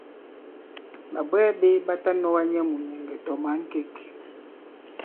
Ɓàbwɛɛ ɓē ɓa ta nɔ̄ga nyɛ mùnyɛ̀ŋgɛ̀ tɔ̀ mǎnkêk.